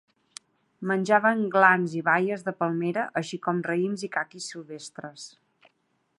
Menjaven glans i baies de palmera així com raïms i caquis silvestres.